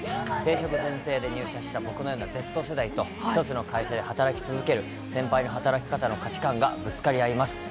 転職前提で入社した僕のようなＺ世代と、一つの会社で働き続ける先輩の働き方の価値感がぶつかり合います。